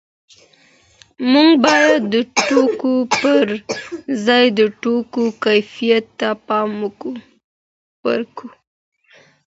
موږ باید د توکو پر ځای د توکو کیفیت ته پام وکړو.